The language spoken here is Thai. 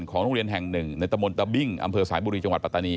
ของโรงเรียนแห่งหนึ่งในตะมนตะบิ้งอำเภอสายบุรีจังหวัดปัตตานี